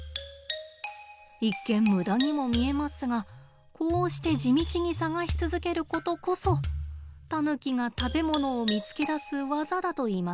一見無駄にも見えますがこうして地道に探し続けることこそタヌキが食べものを見つけだす技だといいます。